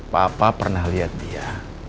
papa pernah lihat dia